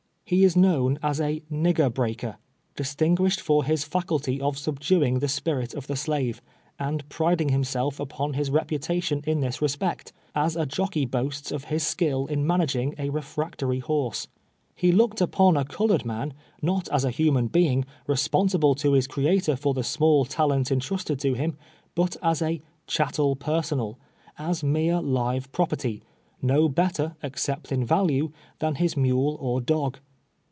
He is known as a " nigger breaker," distinguished for his faculty of subduing the spirit of the slave, and jd riding himself upon his repu tation in this respect, as a jockey boasts of his skill in managing a refractory horse. He looked upon a col ored man, not as a human being, responsible to his Crea tor for the small talent entrusted to him, but as a " chat tel personal," as mere live property, no better, except in value, than his mule or dog.